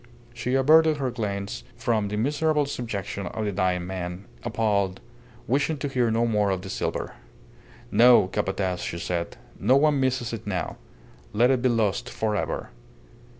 She averted her glance from the miserable subjection of the dying man, appalled, wishing to hear no more of the silver. "No, Capataz," she said. "No one misses it now. Let it be lost for ever."